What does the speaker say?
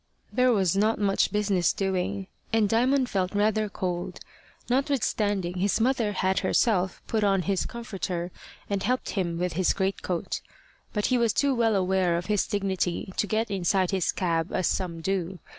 There was not much business doing. And Diamond felt rather cold, notwithstanding his mother had herself put on his comforter and helped him with his greatcoat. But he was too well aware of his dignity to get inside his cab as some do.